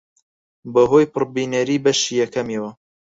بەهۆی پڕبینەری بەشی یەکەمیەوە